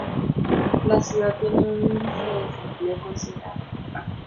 La ciudad tiene un índice de desempleo considerable.